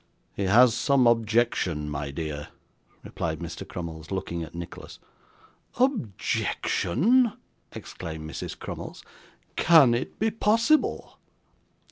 'He has some objection, my dear,' replied Mr. Crummles, looking at Nicholas. 'Objection!' exclaimed Mrs. Crummles. 'Can it be possible?